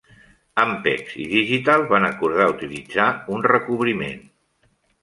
Ampex i Digital van acordar utilitzar un recobriment.